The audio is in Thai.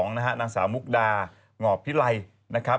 นางสาวมุกดาหงอบพิไลนะครับ